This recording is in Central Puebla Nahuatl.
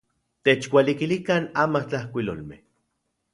Techualikilikan amatlajkuilolmej.